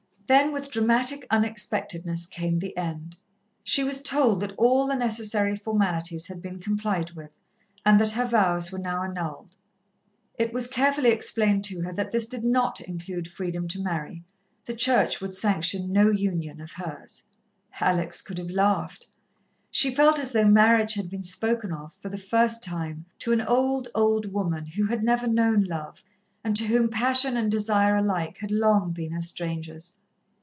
Then, with dramatic unexpectedness, came the end. She was told that all the necessary formalities had been complied with, and that her vows were now annulled. It was carefully explained to her that this did not include freedom to marry. The Church would sanction no union of hers. Alex could have laughed. She felt as though marriage had been spoken of, for the first time, to an old, old woman, who had never known love, and to whom passion and desire alike had long been as strangers.